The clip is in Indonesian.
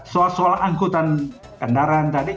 soal soal angkutan kendaraan tadi